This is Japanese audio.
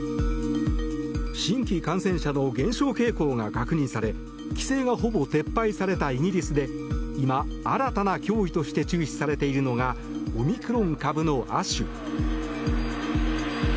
新規感染者の減少傾向が確認され規制がほぼ撤廃されたイギリスで今、新たな脅威として注視されているのがオミクロン株の亜種。